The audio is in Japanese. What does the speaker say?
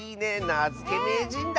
なづけめいじんだ！